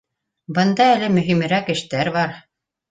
Бында әле мөпимерәк эштәр бар